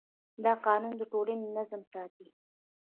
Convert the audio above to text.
دا قانون د ټولنې نظم ساتي.